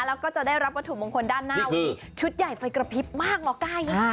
แล้วก็จะได้รับกระถุมงคลด้านหน้าชุดใหญ่ไฟกระพริบมากเหรอกาย